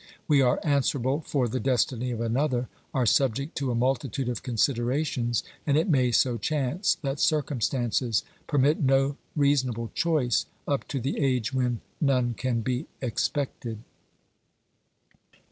We are answerable for the destiny of another, are subject to a multitude of considerations, and it may so chance that circumstances permit no reasonable choice up to the age when none can be expected.